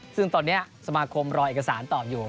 ซึ่งตอนนี้สมาคมรอเอกสารตอบอยู่